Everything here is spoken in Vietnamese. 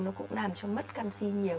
nó cũng làm cho mất canxi nhiều